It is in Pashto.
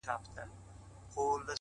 هم زړه سواندی هم د ښه عقل څښتن وو٫